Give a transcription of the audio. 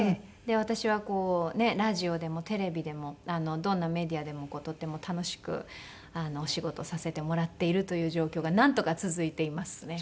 私はこうラジオでもテレビでもどんなメディアでもとっても楽しくお仕事をさせてもらっているという状況がなんとか続いていますね。